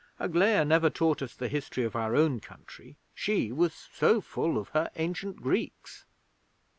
Aglaia never taught us the history of our own country. She was so full of her ancient Greeks.